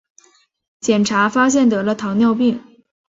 检查发现得了糖尿病